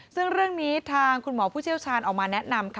ซึ่งเรื่องนี้ทางคุณหมอผู้เชี่ยวชาญออกมาแนะนำค่ะ